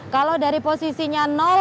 kalau dari posisinya